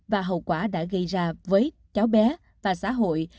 và hậu quả đã gây ra với cháu bé và xã hội